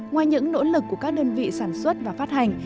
ngoài những nỗ lực của các đơn vị sản xuất và phát hành